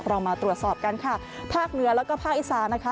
เรามาตรวจสอบกันค่ะภาคเหนือแล้วก็ภาคอีสานนะคะ